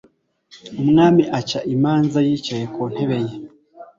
Umwami aca imanza yicaye ku ntebe ye